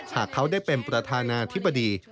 หากเขาได้เป็นประธานาธิบดี